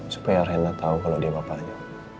supaya reina tau kalo dia bapaknya